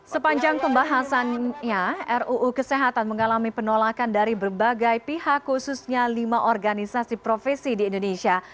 sepanjang pembahasannya ruu kesehatan mengalami penolakan dari berbagai pihak khususnya lima organisasi profesi di indonesia